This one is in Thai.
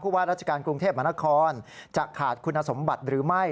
ว่าราชการกรุงเทพมหานครจะขาดคุณสมบัติหรือไม่